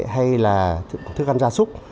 hay là thức ăn gia súc